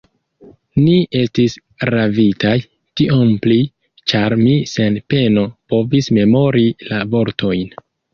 Ni estis ravitaj, tiom pli, ĉar mi sen peno povis memori la vortojn.